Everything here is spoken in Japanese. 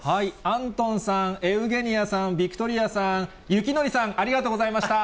アントンさん、エウゲニアさん、ヴィクトリアさん、ゆきのりさん、ありがとうございました。